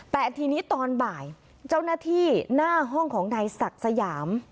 แต่ทีนี้ตอนบ่ายเจ้าหน้าที่หน้าห้องของนายศักดิ์สยาม